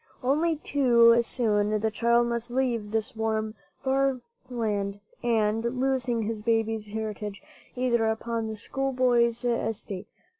Only too soon the child must leave this warm, fair land, and, losing his baby's heritage, enter upon the schoolboy's estate.